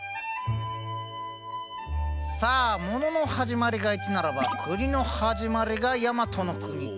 さあもののはじまりが一ならば国のはじまりが大和の国。